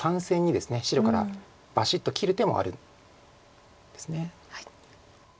白からバシッと切る手もあるんです。